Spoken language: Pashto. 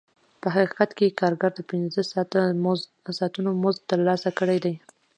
په حقیقت کې کارګر د پنځه ساعتونو مزد ترلاسه کړی دی